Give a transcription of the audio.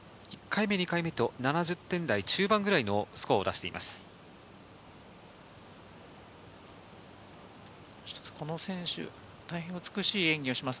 １回目、２回目と７０点台中盤くらいのスコアを出しています。